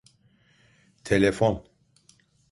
Telefon.